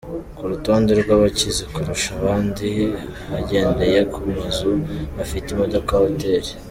ku rutonde rwabakize kurusha abandi bagendeye ku mazu bafite, imodoka, hoteli.